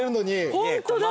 ホントだ。